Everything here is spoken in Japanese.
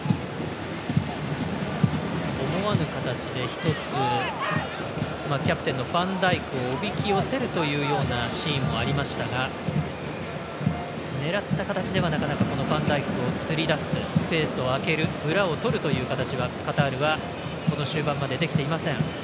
思わぬ形で一つキャプテンのファンダイクをおびき寄せるというようなシーンもありましたが狙った形では、なかなかファンダイクを釣りだすスペースを空ける裏をとるという形はカタールは、この終盤までできていません。